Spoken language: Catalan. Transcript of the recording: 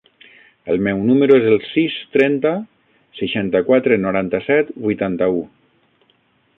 El meu número es el sis, trenta, seixanta-quatre, noranta-set, vuitanta-u.